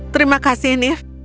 terima kasih nif